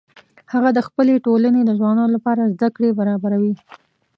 هغه د خپلې ټولنې د ځوانانو لپاره زده کړې برابروي